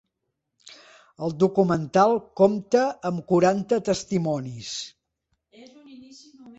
El documental compta amb quaranta testimonis.